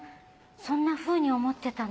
そんなふうに思ってたの？